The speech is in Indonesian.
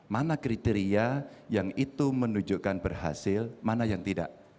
mana kriteria yang itu menunjukkan berhasil mana yang tidak